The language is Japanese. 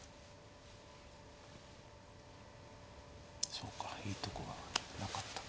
そうかいいとこがなかったか。